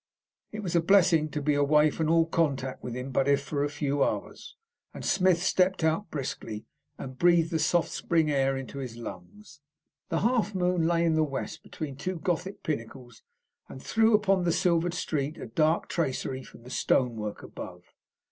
It was a blessing to be away from all contact with him, but if for a few hours, and Smith stepped out briskly, and breathed the soft spring air into his lungs. The half moon lay in the west between two Gothic pinnacles, and threw upon the silvered street a dark tracery from the stone work above.